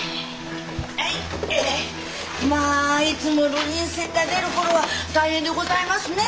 まあいつも流人船が出る頃は大変でございますねえ。